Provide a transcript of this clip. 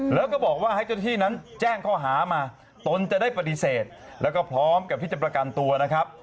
แล้วก็บอกว่าให้เจ้าที่นั้นแจ้งข้อหามาตนจะได้ปฏิเสธแล้วก็พร้อมกับที่จะประกันตัวนะครับ